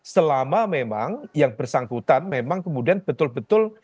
selama memang yang bersangkutan memang kemudian betul betul